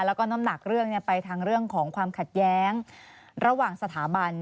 แล้วก็น้ำหนักเรื่องไปทางเรื่องของความขัดแย้งระหว่างสถาบัน